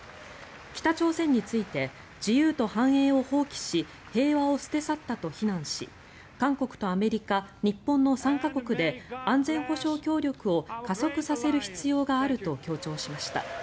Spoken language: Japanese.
北朝鮮について自由と繁栄を放棄し平和を捨て去ったと非難し韓国とアメリカ、日本の３か国で安全保障協力を加速させる必要があると強調しました。